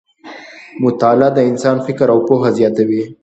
مطالعه د انسان فکر او پوهه زیاتوي.